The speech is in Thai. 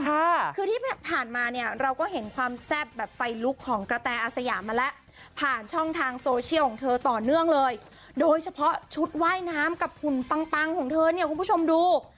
ค่ะคือที่ผ่านมาเนี่ยเราก็เห็นความแซ่บแบบไฟลุกของกระแตอาสยามมาแล้วผ่านช่องทางโซเชียลของเธอต่อเนื่องเลยโดยเฉพาะชุดว่ายน้ำกับหุ่นปังปังของเธอเนี่ยคุณผู้ชมดู